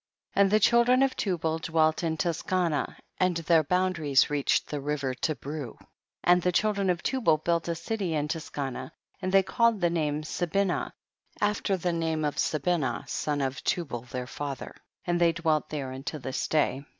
2. And the children of Tubal dwelt in Tuscanah, and their boundaries reached the river Tibreu, and the children of Tubal built a city in Tus canah, and they called the name vSa binali, after the name of Sabinah son of Tubal their father, and they dwelt there unto this day.